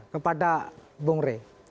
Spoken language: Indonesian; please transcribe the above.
kepada bang ray